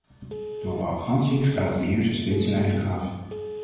Door arrogantie graaft de heerser steeds zijn eigen graf!